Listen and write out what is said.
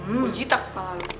gue jitak malam ini